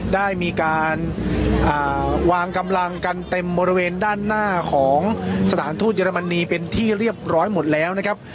ได้มีการวางกำลังกันเต็มบริเวณด้านหน้าของสถานทูตเยอรมนีเป็นที่เรียบร้อยหมดแล้วนะครับ